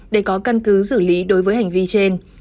để có căn cứ xử lý đối với hành vi trên